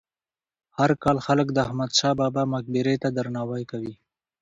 هر کال خلک د احمد شاه بابا مقبرې ته درناوی کوي.